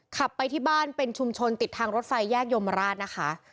ขับไปที่บ้านเป็นชุมชนติดทางรถไฟแยกยมราชนะคะ